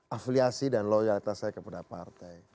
afiliasi dan loyalitas saya kepada partai